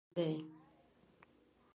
دا ځوان ډېر هوښیار دی.